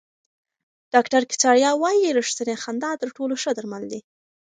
ډاکټر کتاریا وايي ریښتینې خندا تر ټولو ښه درمل دي.